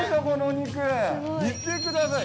見てください